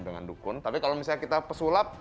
dengan dukun tapi kalau misalnya kita pesulap